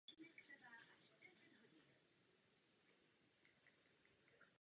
Region tvořil součást historické provincie království Nová Kastilie.